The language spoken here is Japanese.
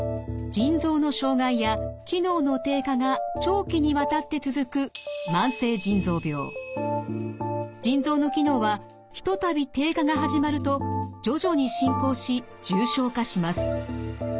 腎臓の障害や機能の低下が長期にわたって続く腎臓の機能は一たび低下が始まると徐々に進行し重症化します。